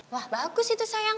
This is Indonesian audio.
wah bagus itu sayang